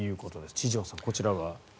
千々岩さん、こちらは。